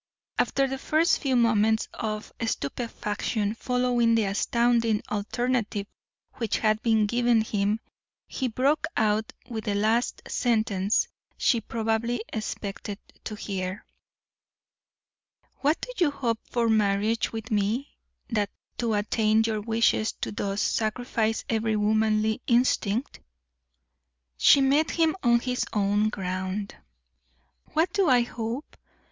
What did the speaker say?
After the first few moments of stupefaction following the astounding alternative which had been given him, he broke out with the last sentence she probably expected to hear: "What do you hope from a marriage with me, that to attain your wishes you thus sacrifice every womanly instinct?" She met him on his own ground. "What do I hope?"